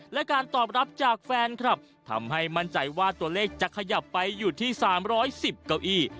และการตอบรับจากแฟนคลับทำให้มั่นใจว่าตัวเลขจะขยับไปอยู่ที่๓๑๐เก้าอี้